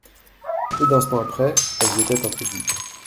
Peu d'instants après, elles étaient introduites.